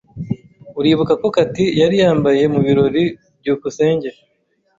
Uribuka icyo Cathy yari yambaye mubirori? byukusenge